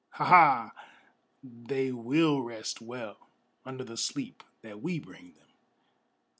Ha! Ha! they will rest well under the sleep that we bring them!